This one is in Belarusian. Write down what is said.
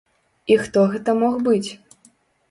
І хто гэта мог быць?